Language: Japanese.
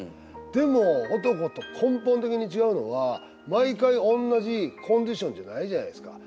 でも男と根本的に違うのは毎回おんなじコンディションじゃないじゃないですか。